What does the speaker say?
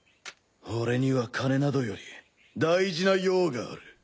俺には金などより大事な用がある。